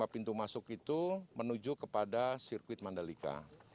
pintu masuk itu menuju kepada sirkuit mandalika